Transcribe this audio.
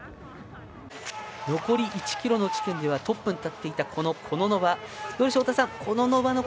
残り１ｋｍの地点ではトップに立っていたコノノバ。